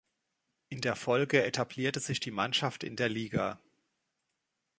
In der Folge etablierte sich die Mannschaft in der Liga.